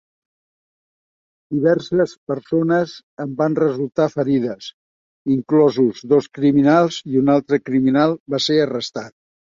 Diverses persones en van resultar ferides, inclosos dos criminals, i un altre criminal va ser arrestat.